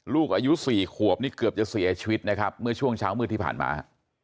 ลูกอายุ๔ขวบนี่เกือบจะเสียชีวิตนะครับเมื่อช่วงเช้ามืดที่ผ่านมา